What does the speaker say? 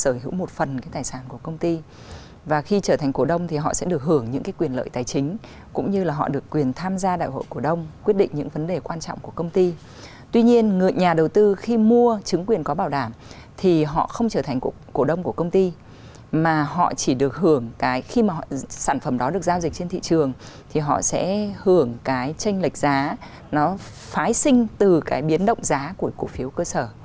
sở hữu một phần cái tài sản của công ty và khi trở thành cổ đông thì họ sẽ được hưởng những cái quyền lợi tài chính cũng như là họ được quyền tham gia đại hội cổ đông quyết định những vấn đề quan trọng của công ty tuy nhiên nhà đầu tư khi mua chứng quyền có bảo đảm thì họ không trở thành cổ đông của công ty mà họ chỉ được hưởng cái khi mà sản phẩm đó được giao dịch trên thị trường thì họ sẽ hưởng cái tranh lệch giá nó phái sinh từ cái biến động giá của cổ phiếu cơ sở